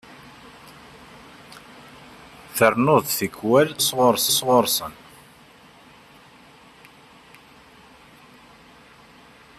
Ternuḍ-d tikwal Ṭawes ɣur-sen.